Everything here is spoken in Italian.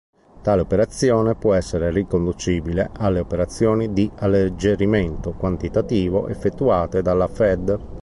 Tale operazione può essere riconducibile alle operazioni di alleggerimento quantitativo effettuate dalla Fed.